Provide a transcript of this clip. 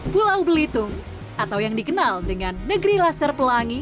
pulau belitung atau yang dikenal dengan negeri laskar pelangi